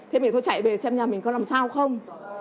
thế mình thôi chạy về xem nhà mình có làm sao không